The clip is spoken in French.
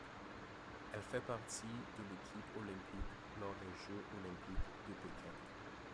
Elle fait partie de l'Équipe olympique lors des jeux olympiques de Pékin.